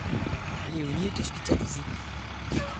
Léonie est hospitalisée.